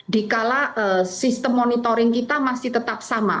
di kala sistem monitoring kita masih tetap sama